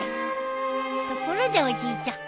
ところでおじいちゃん。